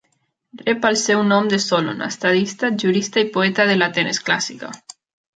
Rep el seu nom de Solon, estadista, jurista i poeta de l"Atenes clàssica.